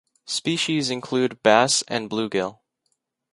Species include bass and bluegill.